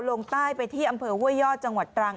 ลงใต้ไปที่อำเภอห้วยยอดจังหวัดตรัง